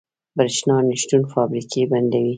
برښنا نشتون فابریکې بندوي.